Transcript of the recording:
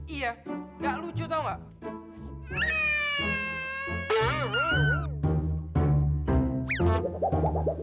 iya gak lucu tau gak